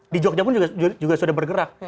di jogja pun juga sudah bergerak